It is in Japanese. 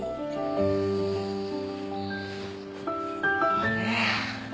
あれ？